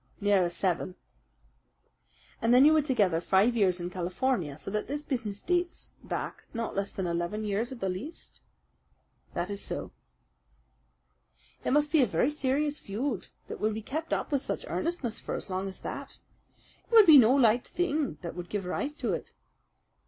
"Nearer seven." "And then you were together five years in California, so that this business dates back not less than eleven years at the least?" "That is so." "It must be a very serious feud that would be kept up with such earnestness for as long as that. It would be no light thing that would give rise to it."